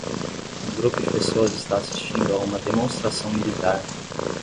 Um grupo de pessoas está assistindo a uma demonstração militar.